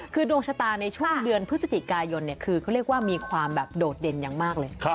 คือดวงชะตาในช่วงเดือนพฤศจิกายนคือเขาเรียกว่ามีความแบบโดดเด่นอย่างมากเลย